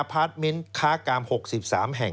เอ๊ทำถูกกฎหมายแล้วมีการกวาดล้างที่สุดในประวัติศาสตร์ของเยอรมัน